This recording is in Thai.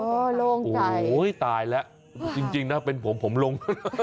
โอ้โหโล่งใจโอ้โหตายแล้วจริงน่าเป็นผมผมลง